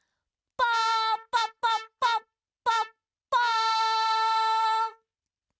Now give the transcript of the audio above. パパパパッパッパ。